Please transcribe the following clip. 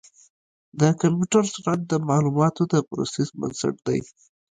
د کمپیوټر سرعت د معلوماتو د پروسس بنسټ دی.